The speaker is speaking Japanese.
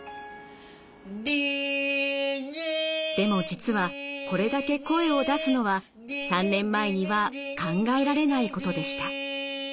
でも実はこれだけ声を出すのは３年前には考えられないことでした。